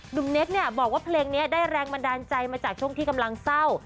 เนคเนี่ยบอกว่าเพลงนี้ได้แรงบันดาลใจมาจากช่วงที่กำลังเศร้า